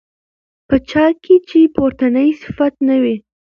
په چا كي چي پورتني صفات نه وي